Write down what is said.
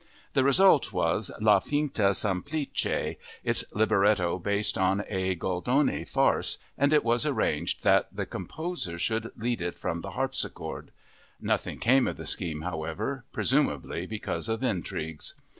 The result was La Finta semplice, its libretto based on a Goldoni farce, and it was arranged that the composer should lead it from the harpsichord. Nothing came of the scheme, however, presumably because of intrigues.